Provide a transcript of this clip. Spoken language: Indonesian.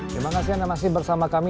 terima kasih anda masih bersama kami